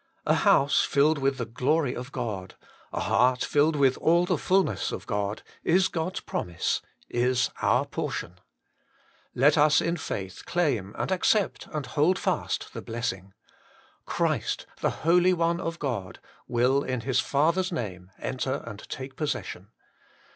A house filled with the glory of God, a heart filled with all the fulness of God, is God's promise, is our portion. Let us HOLINESS AND INDWELLING. 79 in faith claim and accept and hold fast the blessing: Christ, the Holy One of God, will in His Father's Name, enter and take possession.